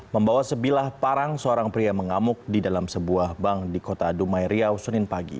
membawa sebilah parang seorang pria mengamuk di dalam sebuah bank di kota dumai riau senin pagi